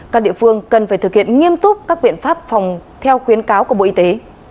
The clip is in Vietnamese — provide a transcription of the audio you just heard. các địa phương cần phải thực hiện nghiêm túc các biện pháp phòng theo khuyến cáo của bộ y tế